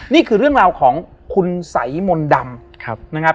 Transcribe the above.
นี่คือเรื่องของคุณสัยมนต์ดำ